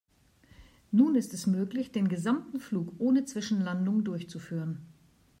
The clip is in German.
Nun ist es möglich, den gesamten Flug ohne Zwischenlandungen durchzuführen.